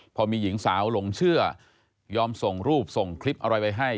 พอมีหญิงสาวหลงเชื่อยอมส่งรูปส่งคลิปอะไรไปให้